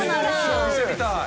お店みたい。